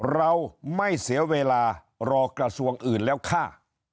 เราไม่เสียเวลารอกระทรวงอื่นแล้วค่ะ